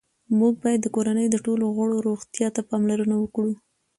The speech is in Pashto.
موږ باید د کورنۍ د ټولو غړو روغتیا ته پاملرنه وکړو